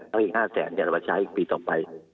แล้วอีก๕แสนจะมาใช้อีกปีต่อไป